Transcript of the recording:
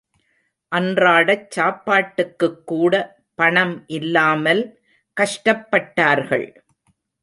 அன்றாடச் சாப்பாட்டுக்குக்கூட பணம் இல்லாமல் கஷ்டப்பட்டார்கள்.